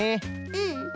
うん。